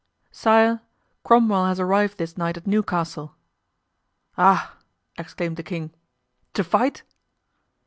"Sire, Cromwell has arrived this night at Newcastle." "Ah!" exclaimed the king, "to fight?"